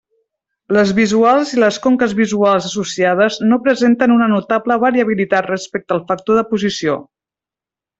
Les visuals i les conques visuals associades no presenten una notable variabilitat respecte al factor de posició.